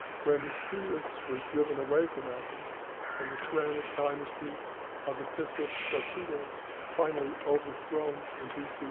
When Hippias was driven away from Athens, and the tyrannic dynasty of the Pisistratidæ finally overthrown in B.C.